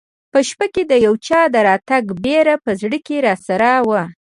په شپه کې د یو چا د راتګ بېره په زړه کې راسره وه.